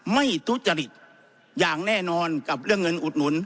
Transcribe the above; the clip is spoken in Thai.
ทุจริตอย่างแน่นอนกับเรื่องเงินอุดหนุน